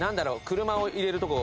車を入れるとこ。